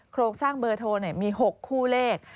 โครงสร้างเบอร์โทรมี๖คู่เลข